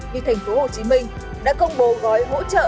vì thành phố hồ chí minh đã công bố gói hỗ trợ